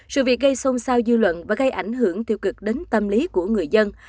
sự việc gây xôn xao dư luận và gây ảnh hưởng tiêu cực đến tâm lý của người dân